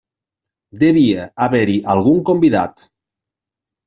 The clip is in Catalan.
Devia haver-hi algun convidat.